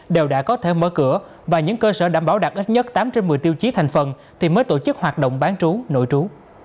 đều đã có thể mở cửa và những cơ sở đảm bảo đạt ít nhất tám trên một mươi tiêu chí thành phần thì mới tổ chức hoạt động bán trú nội trú